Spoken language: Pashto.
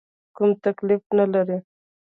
کوم تکلیف نه لرې؟